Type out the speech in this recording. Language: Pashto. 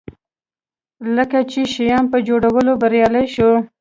کله چې شیام په جوړولو بریالی شو.